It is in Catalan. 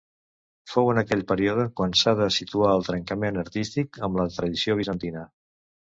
Fou en aquell període quan s'ha de situar el trencament artístic amb la tradició bizantina.